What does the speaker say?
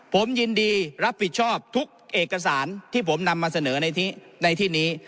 ผมยินดีรับผิดชอบทุกเอกสารที่ผมนำมาเสนอในที่นี้